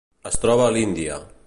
Es troba a l'Índia.